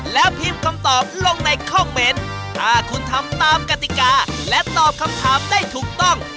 แล้วพิมพ์คำตอบลงในคอมเมนต์ถ้าคุณทำตามกติกาและตอบคำถามได้ถูกต้อง